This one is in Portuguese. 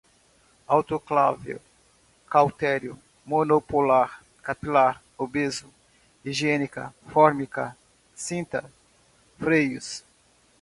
autoclavável, cautério, monopolar, capilar, obeso, higiênica, fórmica, cinta, freios